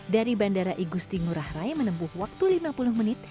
dari bandara igusti ngurah rai menempuh waktu lima puluh menit